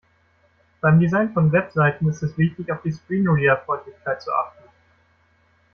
Beim Design von Webseiten ist es wichtig, auf die Screenreader-Freundlichkeit zu achten.